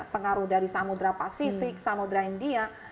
pengaruh dari samudera pasifik samudera india